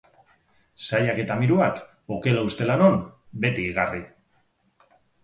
Saiak eta miruak, okela ustela non, beti igarri.